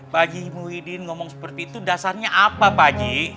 bagi muhyiddin ngomong seperti itu dasarnya apa pak haji